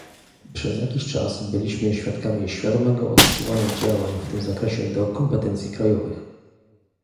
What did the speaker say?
Przez jakiś czas byliśmy świadkami świadomego odsyłania działań w tym zakresie do kompetencji krajowych